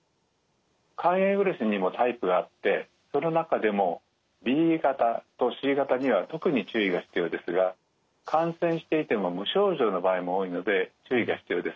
肝炎ウイルスにもタイプがあってその中でもＢ型とＣ型には特に注意が必要ですが感染していても無症状の場合も多いので注意が必要ですね。